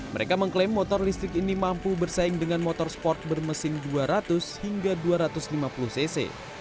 mereka mengklaim motor listrik ini mampu bersaing dengan motor sport bermesin dua ratus hingga dua ratus lima puluh cc